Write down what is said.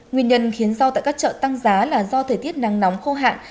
nguyên nhân khiến rau tại các chợ tăng giá là do thời tiết nắng nóng khô hạn